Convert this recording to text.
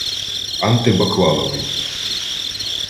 антибаклановий